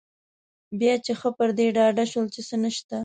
بیا چې ښه پر دې ډاډه شول چې څه نشته.